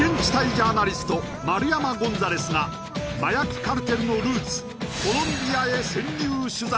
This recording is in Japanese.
ジャーナリスト丸山ゴンザレスが麻薬カルテルのルーツコロンビアへ潜入取材